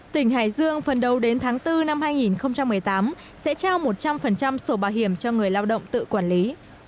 tỉnh hải dương phần đầu đến tháng bốn năm hai nghìn một mươi tám sẽ trao một trăm linh sổ bảo hiểm cho người lao động tự quản lý